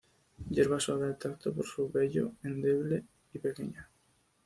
Hierba suave al tacto por su vello, endeble, pequeña.